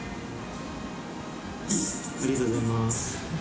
ありがとうございます。